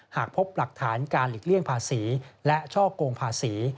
หากพบหลักฐานการหลีกเลี่ยงภาษีและช่อกงภาษี